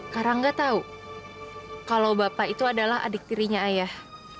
karanga tahu kalau bapak itu adalah adik dirinya ayah